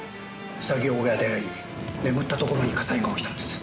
作業小屋で会い眠ったところに火災が起きたんです。